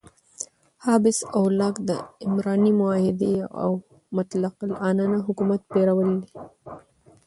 هابس او لاک د عمراني معاهدې او مطلق العنانه حکومت پیر ول.